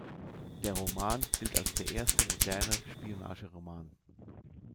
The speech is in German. Der Roman gilt als der erste moderne Spionageroman.